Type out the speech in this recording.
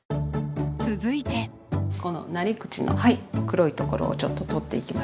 続いてこのなり口の黒いところをちょっと取っていきましょう。